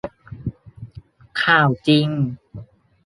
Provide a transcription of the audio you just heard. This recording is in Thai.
ข่าวจริง